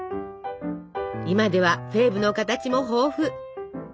今ではフェーブの形も豊富。